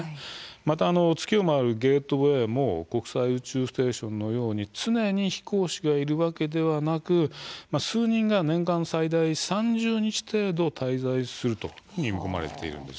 また月を回る、ゲートウェイも国際宇宙ステーションのように常に飛行士がいるわけではなく数人が年間最大３０日程度滞在するというふうに見込まれているんです。